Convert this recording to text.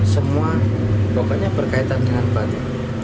semua pokoknya berkaitan dengan batu